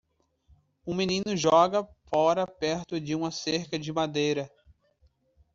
Um menino joga fora perto de uma cerca de madeira.